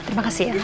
terima kasih ya